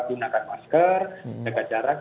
gunakan masker jangka jarak